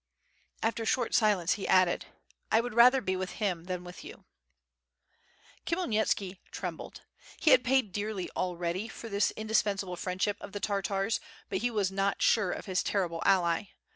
After a short silence he added: "I would rather be with him than with you." Khmyelnitski trembled. He had paid dearly already for the indispensable friendship of the Tartars, but he was not sure of his terrible ally.